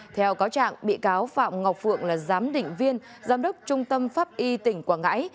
theo cáo trạng bị cáo phạm ngọc phượng là giám đỉnh viên giám đốc trung tâm pháp y tỉnh quảng ngãi